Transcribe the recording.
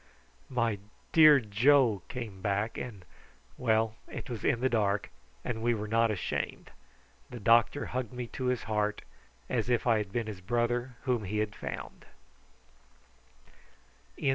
"My dear Joe!" came back, and well, it was in the dark, and we were not ashamed: the doctor hugged me to his heart, as if I had been his brother whom he had found.